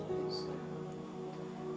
soalnya tidak keluar